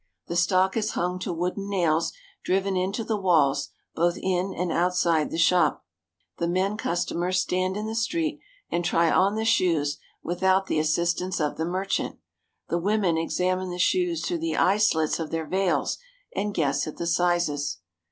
The stock is hung to wooden nails driven into the walls both in and outside the shop. The men customers stand in the street and try on the shoes without the assistance of the merchant. The women examine the shoes through the eye slits of their veils and guess at the sizes.